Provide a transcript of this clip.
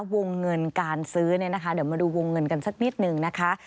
วงเงินการซื้อเรามาดูวงเงินกันสักนิดหนึ่ง